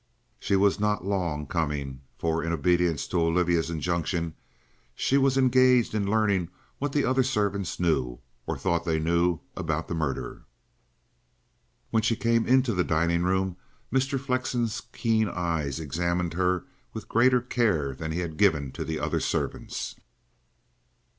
She was not long coming, for, in obedience to Olivia's injunction, she was engaged in learning what the other servants knew, or thought they knew, about the murder. When she came into the dining room, Mr. Flexen's keen eyes examined her with greater care than he had given to the other servants.